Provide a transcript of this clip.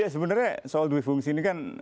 ya sebenarnya soal dui fungsi ini kan